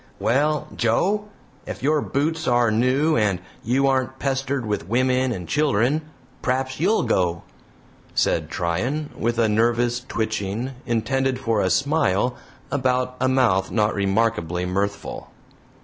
"Well, Joe, ef your boots are new, and you aren't pestered with wimmin and children, p'r'aps you'll go," said Tryan, with a nervous twitching, intended for a smile, about a mouth not remarkably mirthful.